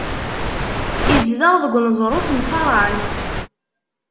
Izdeɣ deg uneẓruf n Faran.